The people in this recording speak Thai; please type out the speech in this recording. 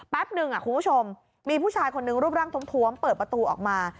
หนึ่งคุณผู้ชมมีผู้ชายคนนึงรูปร่างทวมเปิดประตูออกมา